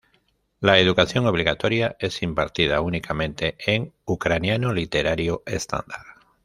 La educación obligatoria es impartida únicamente en ucraniano literario estándar.